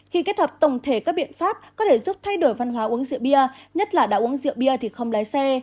khi kết hợp tổng thể các biện pháp có thể giúp thay đổi văn hóa uống rượu bia nhất là đã uống rượu bia thì không lái xe